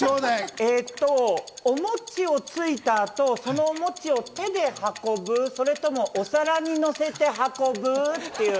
お餅をついたあと、そのお餅を手で運ぶ、それともお皿に乗せて運ぶ？